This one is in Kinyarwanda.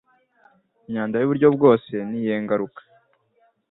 myanda y’uburyo bwose, ni iyihe ngaruka